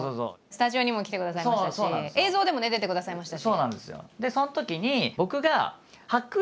スタジオにも来てくださいましたし映像でもね出てくださいましたし。